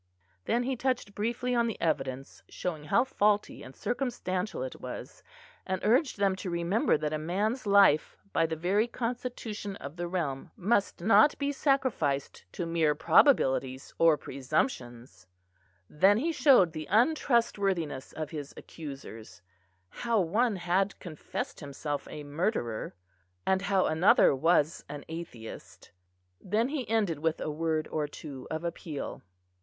Then he touched briefly on the evidence, showing how faulty and circumstantial it was, and urged them to remember that a man's life by the very constitution of the realm must not be sacrificed to mere probabilities or presumptions; then he showed the untrustworthiness of his accusers, how one had confessed himself a murderer, and how another was an atheist. Then he ended with a word or two of appeal.